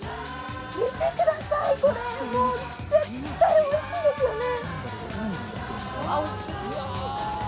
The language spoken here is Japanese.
見てください、これ、もう絶対おいしいですよね！